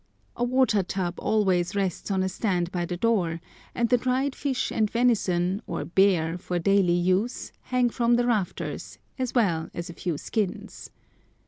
A water tub always rests on a stand by the door, and the dried fish and venison or bear for daily use hang from the rafters, as well as a few skins.